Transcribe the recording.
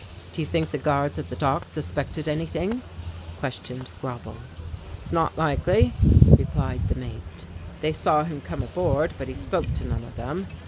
"Do you think the guards at the dock suspected anything?" questioned Grauble. "It is not likely," replied the mate. "They saw him come aboard, but he spoke to none of them.